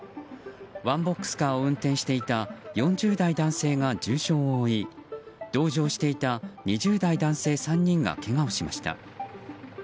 ワンボックスカーを運転していた４０代男性が重傷を負い同乗していた２０代男性３人がけがをしました。